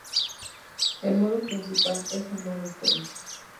El modo principal es el modo historia.